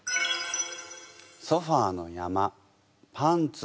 「ソファーの山パンツ